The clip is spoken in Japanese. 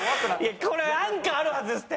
これなんかあるはずですって！